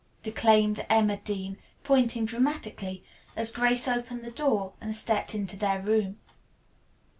declaimed Emma Dean, pointing dramatically, as Grace opened the door and stepped into their room.